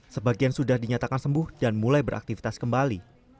sebagian sudah dinyatakan sembuh dan mulai beraktivitas kembali